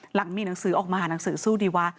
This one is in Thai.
หลังมีหนังสือออกมาหาหนังสือสู้ดีวะ